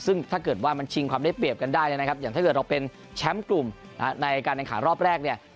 ซึ่งถ้าเกิดว่ามันชิงความได้เปรียบกันได้นะครับอย่างถ้าเกิดเราเป็นแชมป์กลุ่มในการแข่งขันรอบแรกเนี่ย